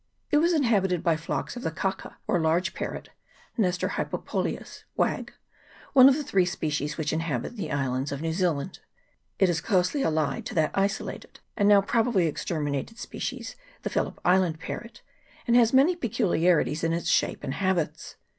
It was inhabited by flocks of the kaka, or large parrot (nestor hypopolius, Wag.), one of the three species which inhabit the islands of New Zealand ; it is closely allied to that isolated and now probably exterminated species, the Philip Island parrot, and has many peculiarities in its shape and habits.